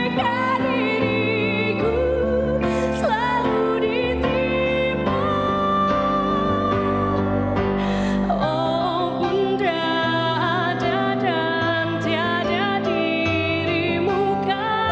jiwa raga dan seluruh